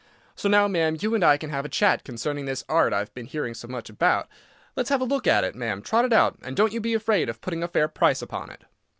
So now, ma'am, you and I can have a chat concerning this art I've been hearing so much about. Let's have a look at it, ma'am, trot it out, and don't you be afraid of putting a fair price upon it."